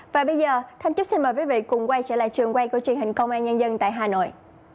và bây giờ thanh trúc xin mời quý vị cùng quay trở lại trường quay của truyền hình công an nhân dân tại hà nội